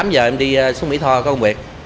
tám giờ em đi xuống mỹ tho có công việc